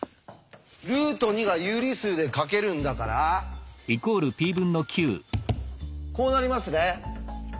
ルート２が有理数で書けるんだからこうなりますね。